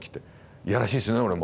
いやらしいですよね俺も。